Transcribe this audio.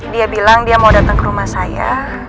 dia bilang dia mau datang ke rumah saya